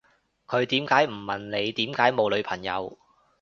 佢點解唔問你點解冇女朋友